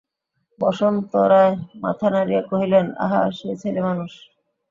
বসন্ত রায় মাথা নাড়িয়া কহিলেন, আহা সে ছেলেমানুষ।